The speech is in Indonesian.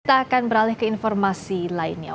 kita akan beralih ke informasi lainnya